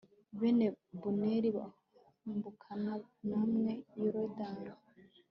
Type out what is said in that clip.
bene rubeni bambukana namwe yorodani